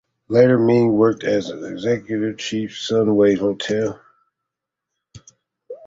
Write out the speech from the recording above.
Later Meng worked as an executive chef for the Sunway Hotel.